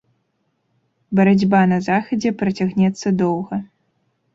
Барацьба на захадзе працягнецца доўга.